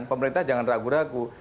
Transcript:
pemerintah jangan ragu ragu